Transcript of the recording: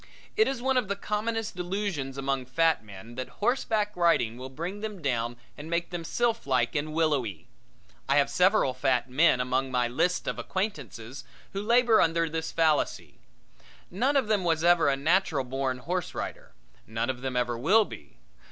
It is one of the commonest delusions among fat men that horseback riding will bring them down and make them sylphlike and willowy. I have several fat men among my lists of acquaintances who labor under this fallacy. None of them was ever a natural born horseback rider; none of them ever will be.